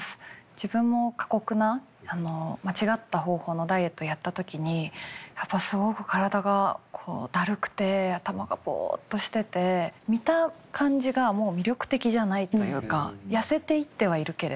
自分も過酷な間違った方法のダイエットをやった時にやっぱりすごく体がだるくて頭がボッとしてて見た感じがもう魅力的じゃないというか痩せていってはいるけれど。